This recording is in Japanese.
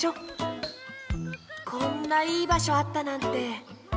こんないいばしょあったなんて。